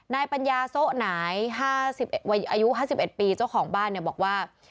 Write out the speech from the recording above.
ปัญญาโซะหน่ายอายุ๕๑ปีเจ้าของบ้านบอกว่า